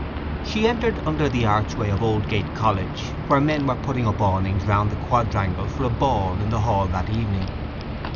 She entered under the archway of Oldgate College, where men were putting up awnings round the quadrangle for a ball in the hall that evening.